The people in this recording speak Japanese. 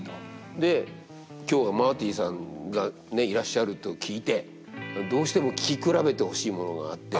で今日はマーティさんがいらっしゃると聞いてどうしても聞き比べてほしいものがあって。